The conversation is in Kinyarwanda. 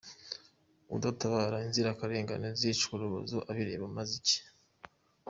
Udatabara inzirakarengane zicwa urubozo abireba amaze iki?